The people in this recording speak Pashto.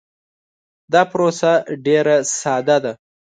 دا پروسه ډیر ساده ده.